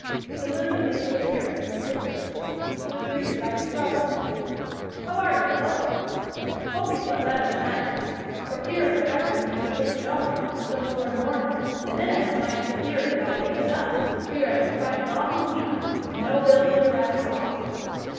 When William made his appearance in the sitting room, he was greeted by his brother with, "How are you, Bill? Hope you slept better than I did, for 'pears like I couldn't get asleep nohow, till toward mornin' and then I was mighty skeary about wakin' up, for fear I should find it all moonshine, and no Bill here after all."